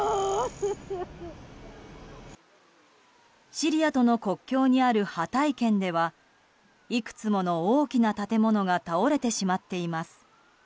シリアとの国境にあるハタイ県ではいくつもの大きな建物が倒れてしまっています。